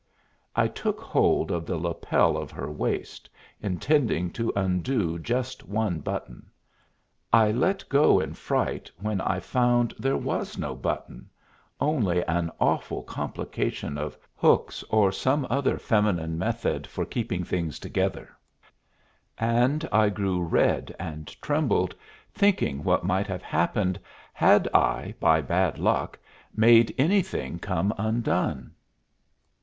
I took hold of the lapel of her waist, intending to undo just one button. I let go in fright when I found there was no button, only an awful complication of hooks or some other feminine method for keeping things together, and I grew red and trembled, thinking what might have happened had I, by bad luck, made anything come undone.